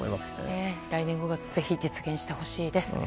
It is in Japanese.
来年５月ぜひ実現してほしいです。